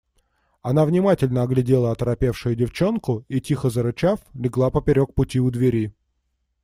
Она внимательно оглядела оторопевшую девчонку и, тихо зарычав, легла поперек пути у двери.